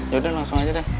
yaudah langsung aja deh